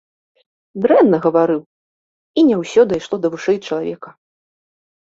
Дрэнна гаварыў, і не ўсё дайшло да вушэй чалавека.